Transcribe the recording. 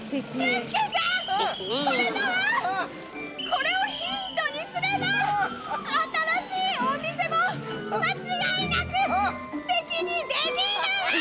これをヒントにすれば新しいお店も間違いなくステキにできるわあ！